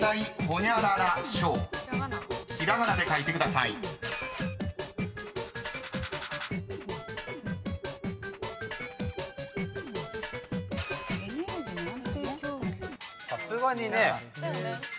さすがにね。